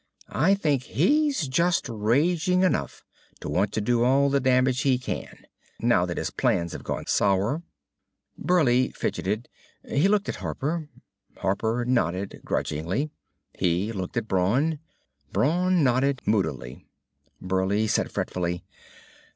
I think he's just raging enough to want to do all the damage he can, now that his plans have gone sour." Burleigh fidgeted. He looked at Harper. Harper nodded grudgingly. He looked at Brawn. Brawn nodded moodily. Burleigh said fretfully.